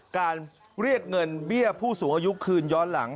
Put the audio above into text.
การเรียกเงินเบี้ยผู้สูงอายุคืนย้อนหลัง